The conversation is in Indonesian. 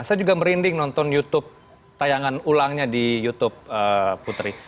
saya juga merinding nonton youtube tayangan ulangnya di youtube putri